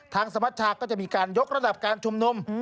สมัชชาก็จะมีการยกระดับการชุมนุม